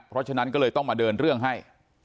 เพราะฉะนั้นก็เลยต้องมาเดินเรื่องให้